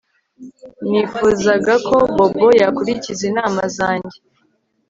Nifuzaga ko Bobo yakurikiza inama zanjye